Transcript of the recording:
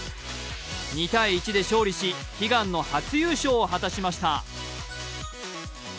２−１で勝利し、悲願の初優勝を果たしました。